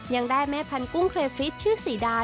ยังได้แม่พันธุ้งเครฟิตชื่อศรีดา